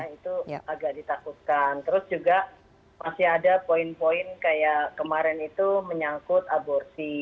itu agak ditakutkan terus juga masih ada poin poin kayak kemarin itu menyangkut aborsi